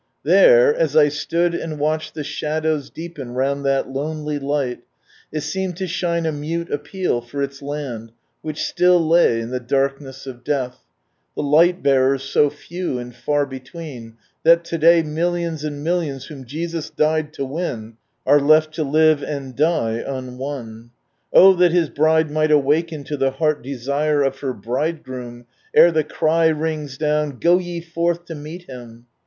There, as I stood and watched the shadows deepen round that lonely light, it seemed to shine a mute appeal for its land which still lay in the darkness of death — the light bearers so few and far between, that to day millions and milhons whom Jesus died to win are left to live and die unwon. Oh that His Bride might awaken to the heart desire of her Bridegroom, ere the cry rings down, " Go ye forth to meet Him!"